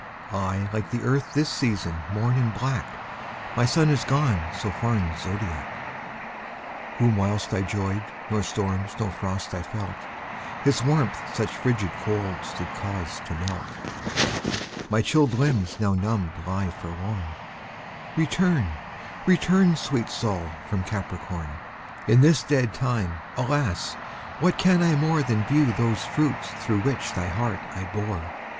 I, like the Earth this season, mourn in black, My Sun is gone so far in's zodiac, Whom whilst I 'joyed, nor storms, nor frost I felt, His warmth such fridged colds did cause to melt. My chilled limbs now numbed lie forlorn; Return; return, sweet Sol, from Capricorn; In this dead time, alas, what can I more Than view those fruits which through thy heart I bore?